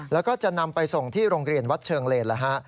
แล้วก็จะนำไปส่งที่โรงเรียนวัดเชิงเลนแล้วฮะ